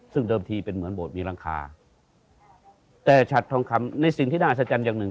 ซึ่งเดิมทีเป็นเหมือนโบสถมีหลังคาแต่ฉัดทองคำในสิ่งที่น่าอัศจรรย์อย่างหนึ่ง